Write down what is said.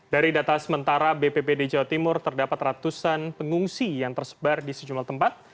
dari data sementara bpbd jawa timur terdapat ratusan pengungsi yang tersebar di sejumlah tempat